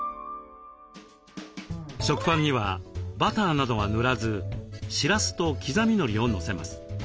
食パンにはバターなどは塗らずしらすときざみのりをのせます。